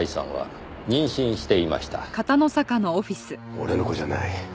俺の子じゃない。